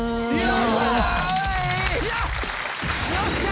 よっしゃ！